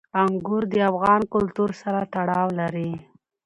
انګور د افغان کلتور سره تړاو لري.